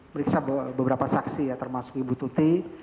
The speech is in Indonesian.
periksa beberapa saksi ya termasuk ibu tuti